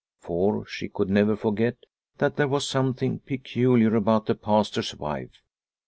For she could never forget that there was something peculiar about the Pastor's wife.